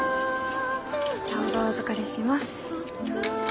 ちょうどお預かりします。